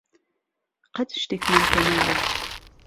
قەت شتێکمان پێ ناڵێت.